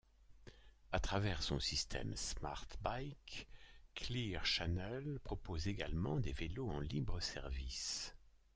À travers son système SmartBike, Clear Channel propose également des vélos en libre service.